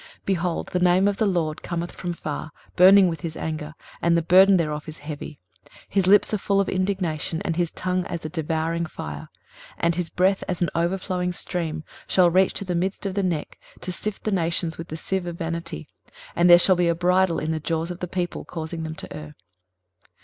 23:030:027 Behold, the name of the LORD cometh from far, burning with his anger, and the burden thereof is heavy: his lips are full of indignation, and his tongue as a devouring fire: 23:030:028 And his breath, as an overflowing stream, shall reach to the midst of the neck, to sift the nations with the sieve of vanity: and there shall be a bridle in the jaws of the people, causing them to err.